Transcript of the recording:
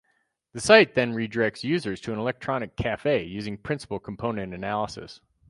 The site then redirects users to an electronic "cafe" using Principal Component Analysis.